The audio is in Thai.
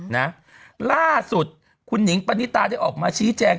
นะล่าสุดคุณหนิงปณิตาได้ออกมาชี้แจง